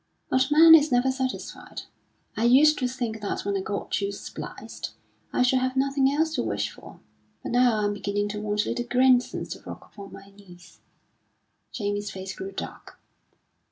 "But man is never satisfied. I used to think that when I got you spliced, I should have nothing else to wish for; but now I'm beginning to want little grandsons to rock upon my knees." Jamie's face grew dark.